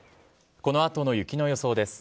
このあとの雪の予想です。